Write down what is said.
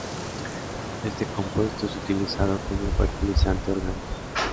Este compuesto es utilizado como fertilizante orgánico.